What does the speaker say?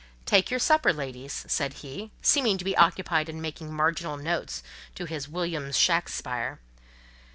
"Take your supper, ladies," said he, seeming to be occupied in making marginal notes to his "Williams Shackspire."